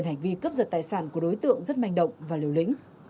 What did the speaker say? hành vi cướp giật tài sản của đối tượng rất manh động và liều lĩnh